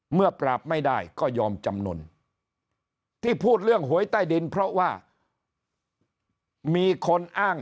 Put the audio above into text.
เมื่อปราบไม่ได้ก็ยอมจำนวนที่พูดเรื่องหวยใต้ดินเพราะว่ามีคนอ้าง